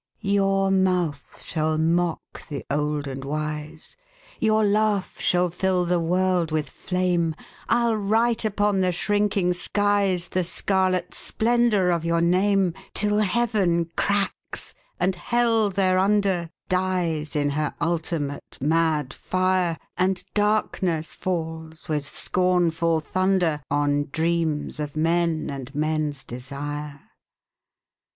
Your mouth shall mock the old and wise, Your laugh shall fill the world with flame, I'll write upon the shrinking skies The scarlet splendour of your name, Till Heaven cracks, and Hell thereunder Dies in her ultimate mad fire, And darkness falls, with scornful thunder, On dreams of men and men's desire.